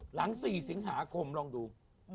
หลัง๔สิงหาคมลองดู